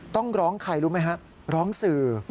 ต้องร้องใครรู้ไหมฮะร้องสื่อ